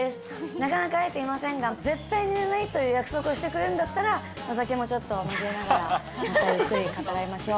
なかなか会えていませんが、絶対寝ないという約束をしてくれるんだったら、お酒もちょっと交えながらまたゆっくり語らいましょう。